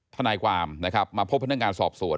ทนายความนะครับมาพบพนักงานสอบสวน